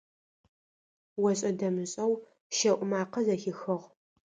ОшӀэ-дэмышӀэу щэӀу макъэ зэхихыгъ.